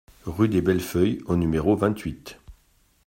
Rue des Belles Feuilles au numéro vingt-huit